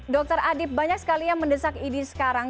dr adib banyak sekali yang mendesak idi sekarang